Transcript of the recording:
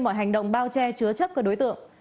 mọi hành động bao che chứa chấp các đối tượng